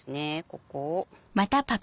ここを。